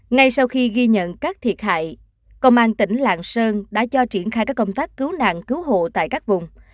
ngay sau khi ghi nhận các thiệt hại công an tỉnh lạng sơn đã cho triển khai các công tác cứu nạn cứu hộ tại các vùng